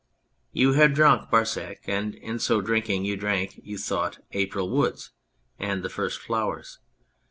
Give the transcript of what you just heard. You have drunk Barsac and in so drinking you drank (you thought) April woods and the first flowers.